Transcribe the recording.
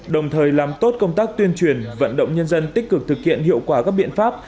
đồng thời làm tốt công tác tuyên truyền vận động nhân dân tích cực thực hiện hiệu quả các biện pháp